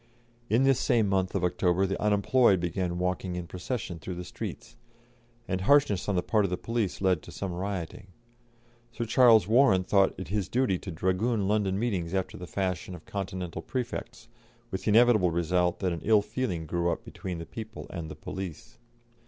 In this same month of October the unemployed began walking in procession through the streets, and harshness on the part of the police led to some rioting. Sir Charles Warren thought it his duty to dragoon London meetings after the fashion of Continental prefects, with the inevitable result that an ill feeling grew up between the people and the police.